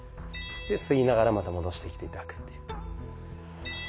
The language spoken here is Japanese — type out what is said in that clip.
で吸いながらまた戻してきて頂くっていう。